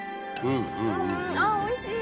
うん。